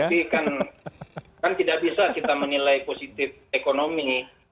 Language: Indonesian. tapi kan tidak bisa kita menilai positif ekonomi